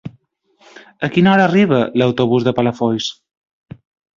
A quina hora arriba l'autobús de Palafolls?